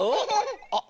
あっ。